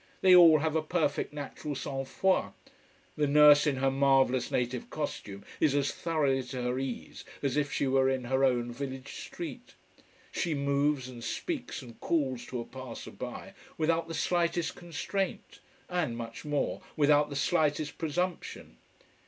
They all have a perfect natural "sang froid," the nurse in her marvellous native costume is as thoroughly at her ease as if she were in her own village street. She moves and speaks and calls to a passer by without the slightest constraint, and much more, without the slightest presumption.